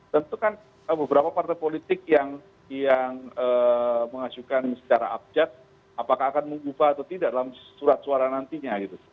tentu kan beberapa partai politik yang mengajukan secara abjad apakah akan membuka atau tidak dalam surat suara nantinya gitu